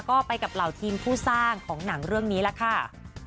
ก็ไปกับเหล่าทีมผู้สร้างของหนังเรื่องนี้ล่ะค่ะ